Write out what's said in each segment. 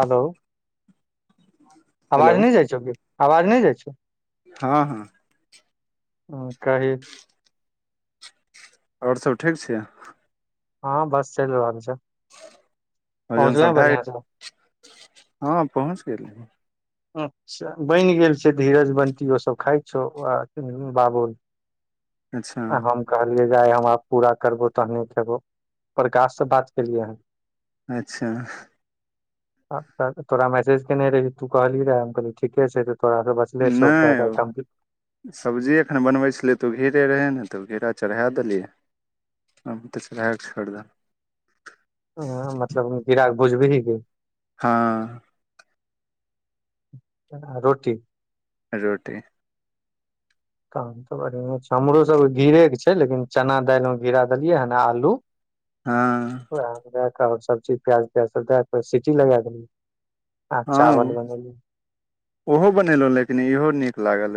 Hello [inaudible] hello आवाज नै जाइ छौ की आवाज नै जाइ छौ हँ हँ हँ कहि आउर सब ठीक छियै हँ बस चैल रहल छै भोजन पहुँचले सब भैऽ बढ़ियां से गेल [inaudible] हँ पहुँच गेल अच्छ बैन गेल छै धीरज बंटी ओ सब खाइत छौ आ बाबुल अच्छा [inaudible] आ हम कहलियै जे आइ हम आब पूरा करबो तहने खेबो प्रकाश से बात केलियै हन अच्छ [inaudible] तोरा मैसेज केने रहियो तू कहलही रहे ठीके छै त तोड़ास बत नै [inaudible] सब्जी एखन बनबै छलियै तऽ ओ घेरे रहै ने तऽ घेरा चरहेँ देलियै [unintelligible] हूँ मतलब घीरा कऽ भुजबीही की हँ आ रोटी रोटी तहन तऽ बढ़ियाँ छै हमरो सब घिरे के छै लेकिन चना दालि में घिरा देलियै हँ आ आलू [inaudible] हँ वहाँ मऽ दै कऽ सबचीज प्याज त्याज सब दै कऽ सीटी लगा देलिए हँ [inaudible] ओहो बनेलहुँ लेकिन इहो नीक लागल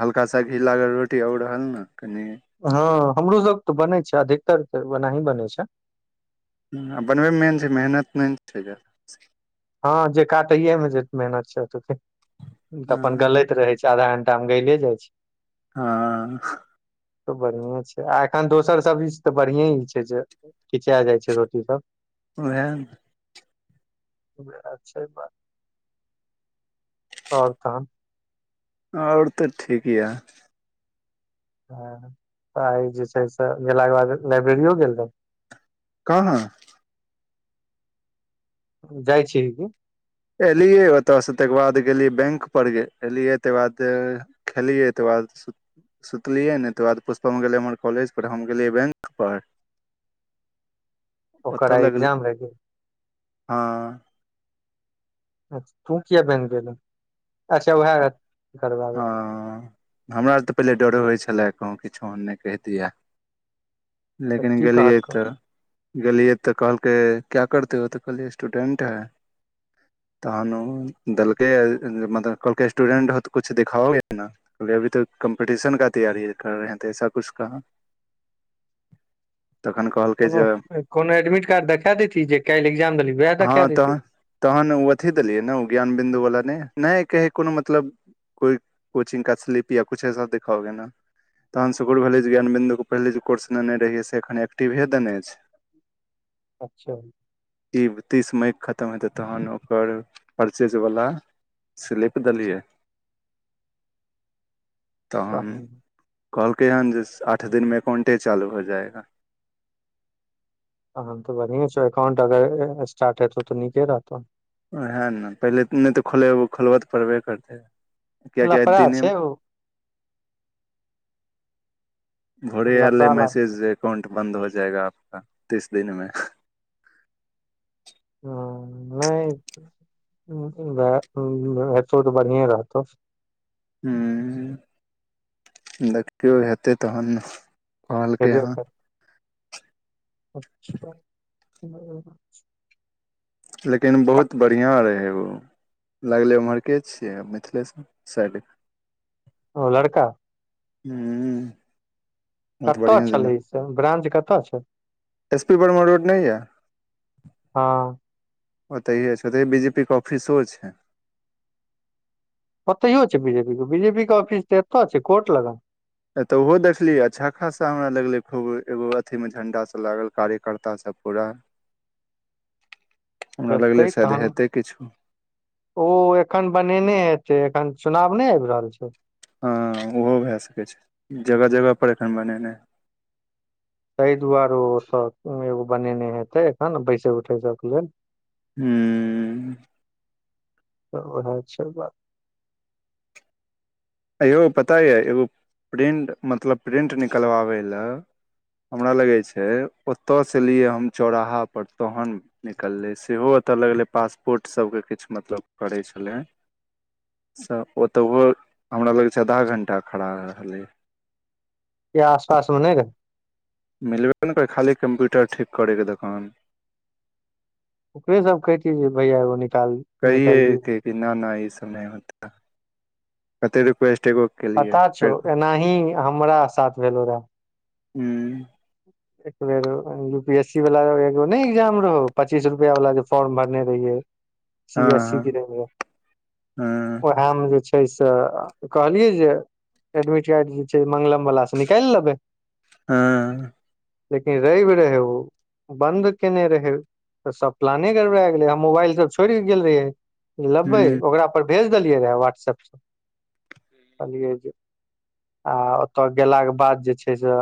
हल्का सा घी लागल रोटी आउर रहल ने कनि हँ हमरो सब तऽ बनेै छै अधिकतर तऽ ओनाही बनेै छै आ बनबै मे मेन छै मेहनत नहि ने छै ज्यादा हँ जे काटै मे जे मेहनत छै [inaudible] तऽअपन हँ गलैत रहे छै आधा घंटा में गैले जाइ छै [unintelligible] त बढ़िए छै आ एखन दोसर सब्जी स तऽ बढ़िए ई छै जे खीचा जाइ छै रोटी सब ओहे नऽ उहाय छै बात आउर तहन ओर तऽ ठीकय ह तऽ आइ जे छै से गेला के बाद लाइब्रेरियो गेल रहू काहाँ जाइ छिहि कि एलियै ओतयसँ तकर बाद गेलियै बैंक पर गेल एलियै तकर बाद खैेलीयै तकर बाद सु सुतलियै नय तकर बाद पुष्पम गेलै हमर कॉलेज पर हम गेलियै बैंक पर [inaudible] ओतऽ आइ लगल एग्जाम रहे गेल हँ तू किया बैंक गेलु अच्छा उहेय हँ हमरा आर तऽ पहिले डरो होइत छलए कहूँ किछुन नहि कहि दियै तऽ लेकिन की गेलियै कहलकौ तऽ गेलियै तऽ कहलकै क्या करते हो तऽ कहलियै स्टूडेंट है तहन देलकै मतलब कहलक स्टूडेंट होतो कुछ दिखाओे न कल्हि अभी तऽ कम्पिटिशन कऽ तैयारी कर रहे है ऐसा कुछ कहा [unintelligible] तखन कहलकै कोनो जे कोनो एडमिट कार्ड देखा देतही जे काल्हि एक्जाम देलही उएह हँ देखा तहन देतही तहन ओ अथी देलियै ने ओ ज्ञान बिन्दु वला नहि नहि कहै कोनो मतलब कोइ कोचिंग का स्लिप या कुछ ऐसा दिखाओगे नऽ तहन सुकुन भेले जे ज्ञान बन्दु के पहिले जे कोर्स लने रहि से एखन एक्टिवे देने छै अच्छा ई तीस मई के खतम हेतै तहन ओकर परचेज वला स्लिप देलियै तहन कहलकै हन जे आठ दिनमे अकाउंटे चालू हो जाएगा तहन तऽ बढ़ियें छौ अकाउंट अगर स्टार्ट हेतौ तऽ नीके रहतौ ओएह नऽ पहिले नहि तऽ खोलेब खोलबऽ तऽ पड़बे करतै कियाकि आइ लफड़ा दिने छै ओ भौड़े आयल लफड़ा रेहै ला मैसेज एकाउंट बन्द हो जाएगा आपका तीस दिनमे हू नहि एतो तऽ बढ़िए रहतौ हुँ देखियौ हेतै तहन कहलकै हेबे हन करतौ अच्छा [unintelligible] लेकिन बहुत बढ़िआँ रहै उ लगलै ओम्हरके छियै मिथिलेसँ साइड ओ लड़का हूँ बहुत कतऽ बढ़ियां जेना छलै ई से ब्रा्च कतऽ छैय एस पी वर्मा रोड नहि य हँ ओतहि छै ओतहि बीजे पी के ऑफिसो छै ओहितयो छै बीज पी के बीजे पी के ऑफिस तऽ एतो छै कोर्ट लगन तऽ अतोऊहो देखलिय अच्छा खासा हमरा लगले खूब एगो अथी में झंडा सब लागल कार्यकर्ता सब पूरा हमरा लगलै हेतेह शायद तेहन हेतै किछो ओ एखन बनेने हेते एखन चुनाव नहि आब रहल छै हँ ओहो भए सकै छै जगह जगह पर एखन बनेनाइ हेते ताह दुआरे ओसभ एगो बनेने हेतै एखन बैसे उठै सभक लेल हूँ तऽ ओहा बात [inaudible] एयौ पता ये एगो प्रिंट मतलब प्रिंट निकलबाबे लए हमरा लगै छै ओतय से लिए हम चौराहा पर तहन निकलै सेहो ओतय लगलै पासपोर्ट सभके किछु मतलब करै छलै त ओतऽ हो हमरा लग छै आधा घण्टा खड़ा रहल हेबे यहाँ आस पासमे नहि क मिलबे ने करै खाली कम्प्यूटर ठीक करै रहै दोकान ओकरे सब कति जे भैया एगो निकाल निकालि कहिये दियौ कि नहि नहि ई सब नहि होत कते रिक्वेस्ट एगो केलियै पता छै फेर हूँ एनाही हमरा साथ भेलो रहऽ हूँ एक बेेर यू पी एस सी वाला एगो ने एग्जाम रहो पच्चीस रुपया वाला जे फॉर्म भरने रहिये सी एस इ हँ गरे हँ ओहमे जे छै पैसा कहलियै जे एडमिट कार्ड जे छै मंगलम वाला से निकाल लेबै हँ लेकिन रेब रहे ओ बन्द केने रहै तऽ सब प्लाने गड़बा गेलै हम मोबाइल ई सब छोड़ के गेल रहिए लेबै हूँ ओकरा पर भेज देलियै रहए व्हाट्सप सँ कहलियै जे आ ओतऽ गेलाके बाद जे छै से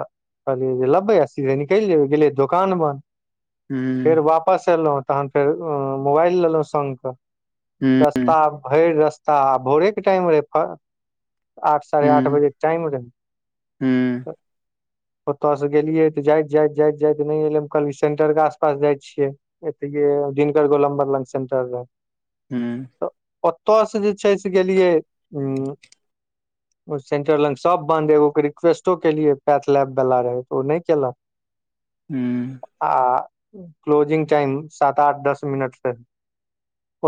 कहलियै जे लबे आ सीधे निकलि जेबै गेलियै दोकान फेर हूँ वाप वापस एलौ तहन फेर मोबाइल लेलौ संग हूँ के आब भरि रस्ता आ भोरे के टाइम रहे आठ साढ़े आठ बजे के टाइम रहे हुँ ओतय से गेलियै तऽ जाइत जाइत जाइत जाइत नहि एले कहलियै सेंटर के आस पास जाय छियै एतय दिनकर गोलमबर लंग सेंटर हूँ ओतयसँ जे छै से गेलियै ओ सेंटर लाइन सब बन्द एगो के रिक्वेस्टो के लिये लैब वला रहे तऽ ओ नहि केलक हूँ आ क्लोजिंग टाइम सात आठ दस मिनट रहे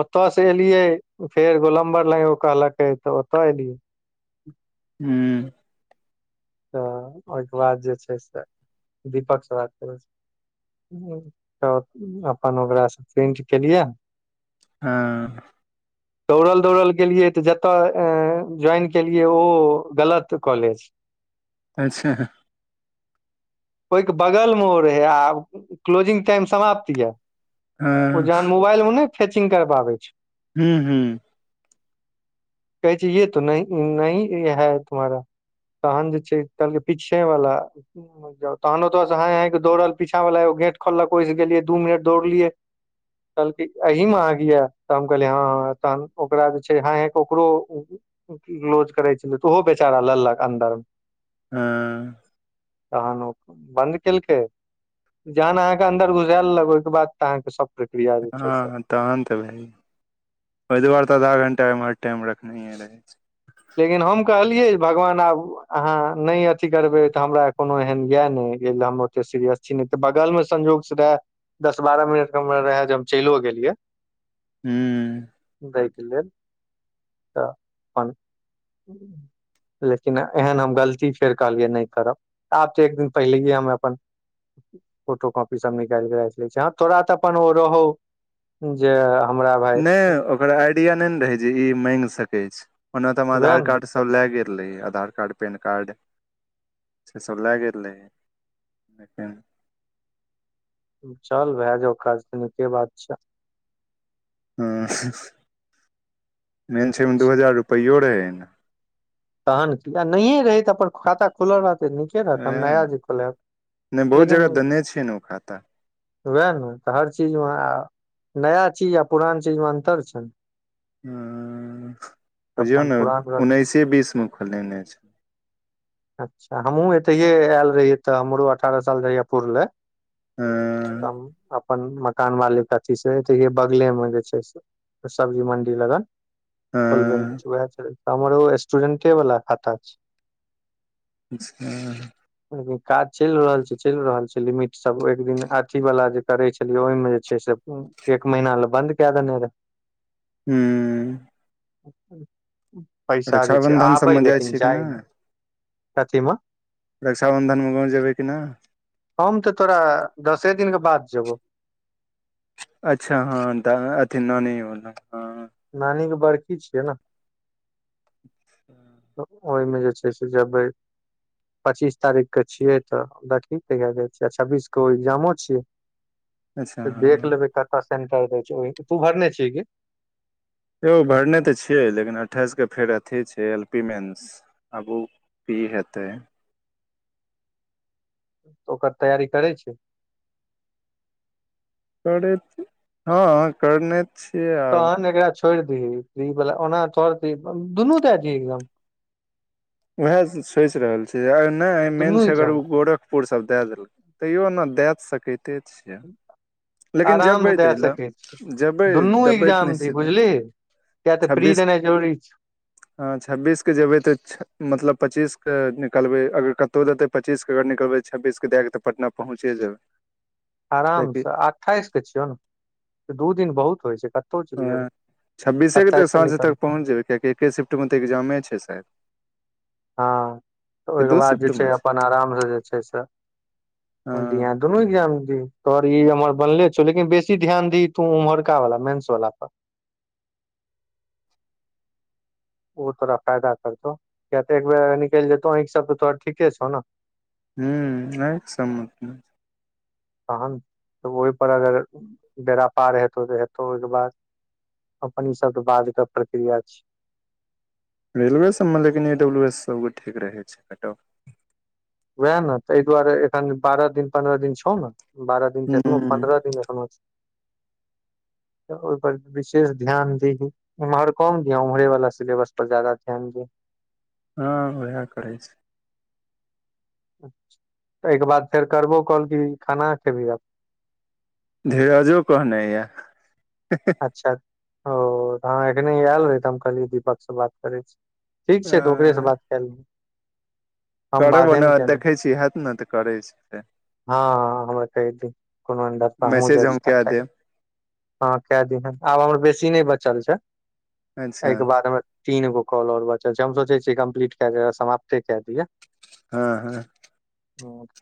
ओतय से एलिये फेर गोलंबर लग ओ कहलेके तऽ ओतए एलियए हूँ तऽ ओहिके बाद जे छै से दीपक से बात कलिये त अपन ओकरा सँ प्रिंट केलियै आँ [inaudible] दौड़ल दौड़ल गेलियै तऽ जतय ज्वइन केलियै ओ गलत कॉलेज अच्छा ओहिके बगल मे ओ रहै आब क्लोजिंग टाइम समाप्ति यऽ हँ ओ जहान मोबाइल मे नहि फैचिंग करबाबै छै हू हू कहै छै ये तो न नहि है तुम्हारा तहन जे छै त पीछे वाला तहन तो हाय हाय के दौड़ल पीछा वला एग गेट खोलक ओहिस गेलियै दू मिनट दौड़लियै कहलकै एहि मे अहाँके य तऽ हम कहलियै हँ तहन ओकरा जे छै हाय हाय कऽ ओकरो क्लोज करै छलै तऽ ओहो बेचारा लेललक अन्दर हँ तहन ओ बन्द केलकै जहन आहाँके अन्दर गुसाए लेलक ओहिके बाद तऽ अहाँके सब प्रक्रिया जे छै से हँ तहन तऽ भै ओहि दुआरे तऽ आधा घंटा एम्हर टाइम रखनेहिए रहै छैय लेकिन हम कहलियै जे भगवान आब आहाँ नहि अथी करबै तऽ हमरा कोनो एहन य नहि ऐलय हम ओते सीरियस नहि तऽ बगलमे संयोग सँ रहए दस बारह मिनट हम रहै जे हम चलियओ गेलियै हू दैके लेल तऽ अपन हू [unintelligible] लेकिन एहन हम गलती फेर कहलियै नहि करब आब तऽ एक दिन पहिलये हम अपन फोटो कॉपी सब निकाल के राखलै छी हँ तोरा त उ अपन ओ रहौ जे हमरा भाय ओकर आडिया नहि रह‌ए जे मन सकए छै ओना तो हम वएह आधार कार्ड ने सऽ सब लेगेल रहियै आधार कार्ड पेन कार्ड से सब लए गेल रहै लेकिन चल भए जाऊ काज त निके बात छै हू मेन छै ओमे दू हजार रुपैयो रहै नऽ तहन कि नहिए रहेत अपन खाता खुलल रहतै ठिके रहत वैह ने नया जे खोलयब नहि बहुत लेकिन जगह देने छियै ने ओ खाता उएह नऽ तऽ हर चीजमे आ नया चीज आ पुरान चीजमे अन्तर छै नऽ तऽ बुझियौ अपन नऽ पुरान रख। उन्नैसे बीस मऽ खोलेने छै अच्छा हमहूँ एतहिे आयल रहियै तऽ हमरो अठारह साल जहिया पुर लए हँ त अपन मकान वाली के अथी सेे बगले मे जे छै से सब्जी मंडी लगन खोलबेने हँ छिये हमर ओ स्टूडेंटे वाला खाता [unintelligible] अखेन काज चलि रहल छै चलि रहल छै लिमिट सब एक दिन अथी वाला जे करे छै चलियै ओहिमे जे छै से एक महीना लए बन्द कए देने रहय हू पैसा जे छै रक्षाबंधन आबै सबमे लेकिन छियै कि जाइ नहि नहि कथीमऽ रक्षाबन्धन मे गाँव जेबै कि नहि हम तऽ तोरा दसे दिन के बाद जेबौ अच्छा हँ अथि नानी बला हँ नानी के बड़की छियै नऽ अच्छा ओहिमे जे छै से जेबै पच्चीस तारीख के छियै तऽ देखी तऽ कहिया जाइ छियै छब्बीस कऽ उ एग्जामो छियै अच्छा तऽ हँ देख लेबै कतय सेंटर दै छै तू उ भरने छि की यौ भरने तऽ छिये लेकिन अठाइस केँ फेर अथी छै एल पी मेन्स आब उ की हेत ओकर तैयारी करै छिये करैत हँ करने छियै आब तहन एकरा छोड़ि दिही ई बला ओना तोहर [unintelligible] दुनू दैय दिही एग्जाम वैहै सोचि रहल छी आ नहि मेन दुनू छै अगर एग्जाम उ गोरक पुर सब दै देलकै तैयो ओना दैय तऽ सकैते छिये आरामसँ दए सकै छी जेबै दुनू देबै एग्जाम दिही निश्चिते बुझलीही किया तऽ प्री छब्बीस देनाइ जरूरी छै हँ छब्बीस कऽ जेबै तऽ मतलब पच्चीस कऽ निकलबै अभि कतहु देतै पच्चीस कऽ अगर निकलबै छबीस दए कऽ तऽ पटना पहुँचे जेबै कियकि आरामसँ अठाइस केँ छियौ नऽ दू दिन बहुत होइ छै कऽ हँ छब्बीसे केँ तऽ साँझ निकल तक पहुँच जेबै कियकि एकेँ शिफ्टमे तऽ एग्जामे छै शायद हँ तऽ कि ओहि केँ दू बाद जे शिफ्ट छै मे अपन आरामसँ जे छै से हँ दिहै दुनू एग्जाम दिही तोहर ई हमर बनले छौ लेकिन बेसी ध्यान दिही तू उम्हरका वाला मेन्स वला पर ओ तोरा फायदा करतौ किया तऽ एक बेर निकलि जेतौ आखि सब तऽ तोहर ठीके छौ नऽ हूँ आखि सब मऽ तऽ नहि तहन तऽ ओहिप अगर बेरा पार हेतौ तऽ हेतौ ओहि केँ बाद अपन ई सब त बाज के प्रक्रिया छी रेलवे सब मऽ लेकिन ई डब्लू एस सब गोटे कऽ रहै छै कटप वैह नऽ तहि दुआरे एखन बारह दिन पन्द्रह दिन छौ नऽ बारह दिन तखनो हूँ पन्द्रह दिन एखनो छै तऽ ओहि पर विशेष ध्यान दीही एम्हर कम दिय उम्हरे वाला सिलेबस पर जदा ध्यान दीही हँ वहै करै छी एहि केँ बाद फेर करबो कॉल की खाना खेबही आब धीरजो कहने यऽ अच्छा ओ हँ एखने आयल रहे तऽ हम कहलिये दीपक सँ बात करे छी ठीक छै तऽ ओकरेसँ बात कए [unintelligible] करब ओना कए लेब देखै छी हैत नऽ तऽ करै छिये हँ हमरा कहि दे कोनो अंड पर हमूँ मैसेज जाइ हम छी तहत कए खाइ लऽ देब कए दिहे आब हमर बेसी नहि बचल छै एहि अच्छा केँ बाद हमर तीन गो कॉल आउर बचल छै हम सोचै छीयै कम्प्लीट कैय दिये समाप्ते केँ दिये हँ हँ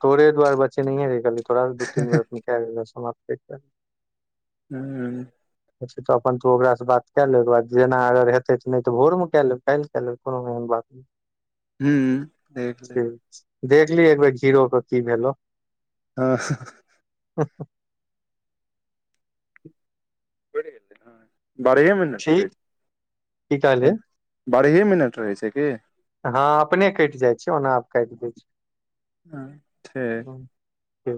तोरे दुआरे बचेनहे रहियै कहलीयै तोरा सँ दू तीन बेरा कैय लेबै ओकेँ बाद समाप्ते कऽ देबै हूँ अच्छा तऽ अपन तू ओकरासँ बात कए लेऽ ओहिकेँ बाद जेना अगर हेतै तऽ नय तऽ भोर मऽ कैय लेब काल्हि कय लेब कोनो एहन बात नय हूँ देख लेब देखलही एक बेर घीरो केँ की भेलौ हँ [inaudible] [unintelligible] बरहे मिनट रहे ठीक की कहली छै बारहे मिनट रहै छै की हँ अपने कटि जाइ छै ओना आब काटि दै छी हँ ठीक ठीक